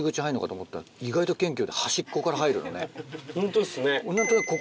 ホントですね。